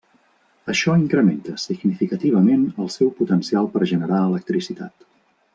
Això incrementa significativament el seu potencial per generar electricitat.